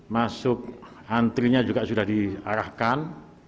masuk antrinya juga sudah diarahkan